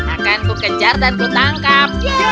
akan ku kejar dan ku tangkap